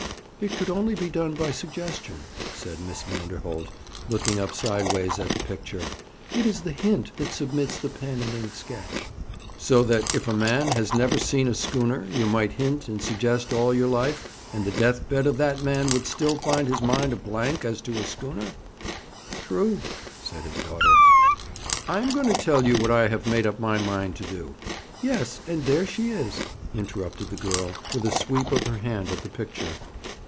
'It could only be done by suggestion,' said Miss Vanderholt, looking up sideways at the picture. 'It is the hint that submits the pen and ink sketch.' 'So that, if a man has never seen a schooner, you might hint and suggest all your life, and the death bed of that man would still find his mind a blank as to a schooner?' 'True,' said his daughter. 'I am going to tell you what I have made up my mind to do.' 'Yes, and there she is,' interrupted the girl, with a sweep of her hand at the picture.